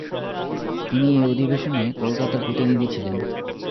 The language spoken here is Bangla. তিনি এই অধিবেশনে কলকাতার প্রতিনিধি ছিলেন।